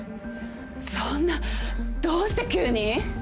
そんなどうして急に。